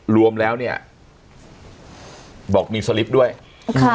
รวมแล้วเนี่ยบอกมีสลิปด้วยอ่า